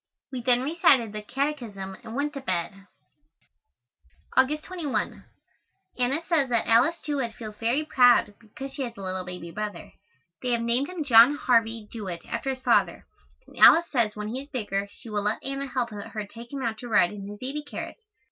We then recited the catechism and went to bed. [Illustration: First Congregational Church] August 21. Anna says that Alice Jewett feels very proud because she has a little baby brother. They have named him John Harvey Jewett after his father, and Alice says when he is bigger she will let Anna help her take him out to ride in his baby carriage.